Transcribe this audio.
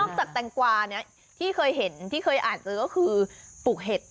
จากแตงกวาเนี่ยที่เคยเห็นที่เคยอ่านเจอก็คือปลูกเห็ด